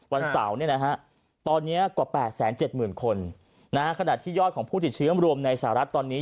วันเสาร์ตอนนี้กว่า๘๗๐๐คนขณะที่ยอดของผู้ติดเชื้อรวมในสหรัฐตอนนี้